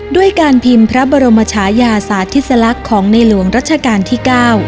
ด้วยการพิมพ์พระบรมชายาสาธิสลักษณ์ของในหลวงรัชกาลที่๙